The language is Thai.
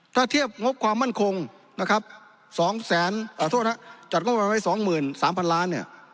ถ้าเทียบงบความมั่นคงจัดงบประมาณไว้สองหมื่นสามพันล้าน